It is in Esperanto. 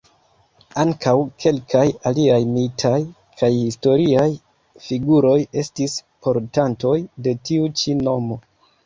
Ankaŭ kelkaj aliaj mitaj kaj historiaj figuroj estis portantoj de tiu ĉi nomo.